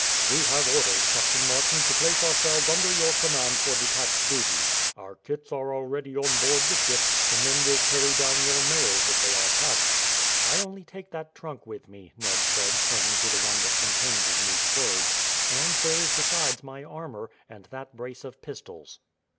"We have orders, Captain Martin, to place ourselves under your command for detached duty. Our kits are already on board the ship; the men will carry down your mails if they are packed." "I only take that trunk with me," Ned said, pointing to the one that contained his new clothes; "and there is besides my armour, and that brace of pistols."